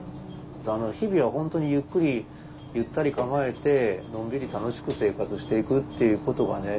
日々は本当にゆっくりゆったり構えてのんびり楽しく生活していくっていうことがね